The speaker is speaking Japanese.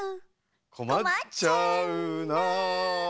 「こまっちゃうな」